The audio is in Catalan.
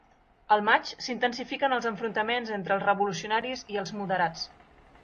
Al maig, s'intensifiquen els enfrontaments entre els revolucionaris i els moderats.